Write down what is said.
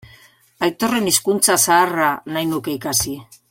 Aitorren hizkuntza zaharra nahi nuke ikasi.